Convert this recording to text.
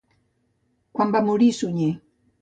Quan va morir Suñer?